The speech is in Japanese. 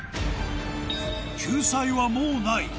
救済はもうない